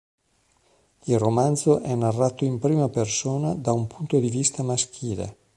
Il romanzo è narrato in prima persona da un punto di vista maschile.